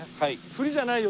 フリじゃないよ